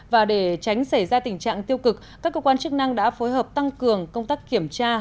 và để tránh xảy ra tình trạng tiêu cực các cơ quan chức năng đã phối hợp tăng cường công tác kiểm tra